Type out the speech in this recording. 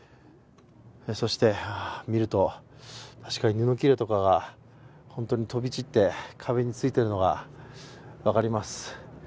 そして、見るとしっかり布きれとかが本当に飛び散って、壁についているのが分かります。